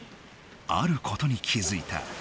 あることに気づいた。